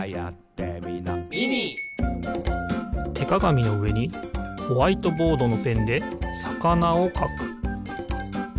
てかがみのうえにホワイトボードのペンでさかなをかく。